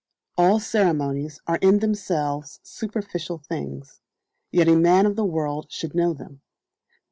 All ceremonies are in themselves superficial things; yet a man of the world should know them.